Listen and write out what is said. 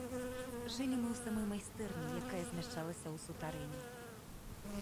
Жылі мы ў самой майстэрні, якая змяшчалася ў сутарэнні.